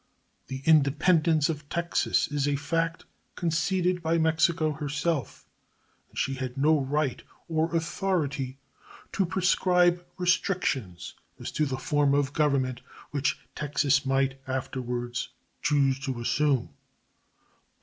The independence of Texas is a fact conceded by Mexico herself, and she had no right or authority to prescribe restrictions as to the form of government which Texas might afterwards choose to assume.